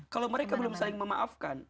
kalau mereka belum saling memaafkan